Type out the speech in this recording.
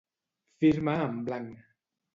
Firma en blanc.